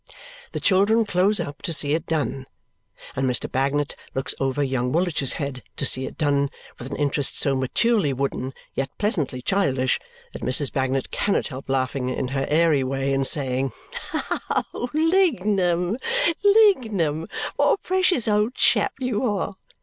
The children close up to see it done, and Mr. Bagnet looks over young Woolwich's head to see it done with an interest so maturely wooden, yet pleasantly childish, that Mrs. Bagnet cannot help laughing in her airy way and saying, "Oh, Lignum, Lignum, what a precious old chap you are!"